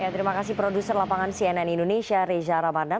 terima kasih produser lapangan cnn indonesia reza ramadan